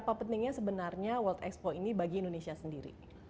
apa pentingnya sebenarnya world expo ini bagi indonesia sendiri